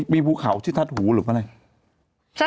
มีผู้เขาชื่อทัดหูหรือเปล่าอะไร